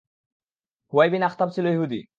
Huawei bin Akhtab ছিল ইহুদী।